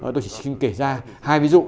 tôi chỉ xin kể ra hai ví dụ